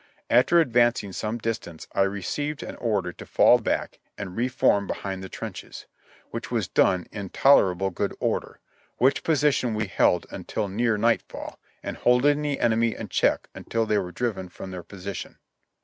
After advancing some distance I received an order to fall back and reform behind the trenches, which was done in toler able good order, which position we held until near night fall, and holding the enemy in check until they were driven from their position.